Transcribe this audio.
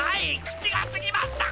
口が過ぎました！